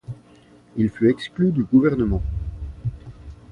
Il fut exclu du gouvernement.